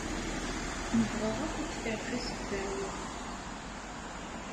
Nebɣa akk ad d-tirxis ddeɛwa.